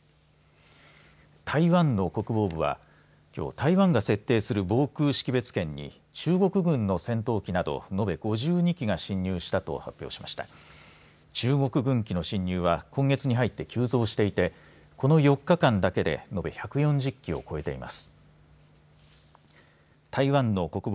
台湾の国防部はきょう台湾が設定する防空識別圏に中国軍の戦闘機などのべ５２機が進入したと発表しました中国軍機の進入は今月に入って急増していてこの４日間だけで延べ１４０機を超えています。